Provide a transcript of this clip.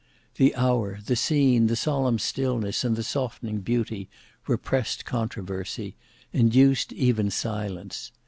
The hour, the scene, the solemn stillness and the softening beauty, repressed controversy, induced even silence.